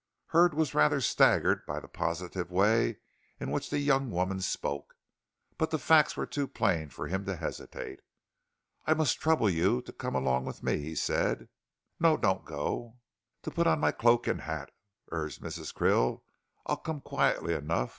Hurd was rather staggered by the positive way in which the young woman spoke. But the facts were too plain for him to hesitate. "I must trouble you to come along with me," he said. "No, don't go!" "To put on my cloak and hat?" urged Mrs. Krill. "I'll come quietly enough.